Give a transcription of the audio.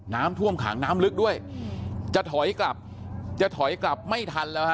น้ำท่วมขังน้ำลึกด้วยจะถอยกลับจะถอยกลับไม่ทันแล้วฮะ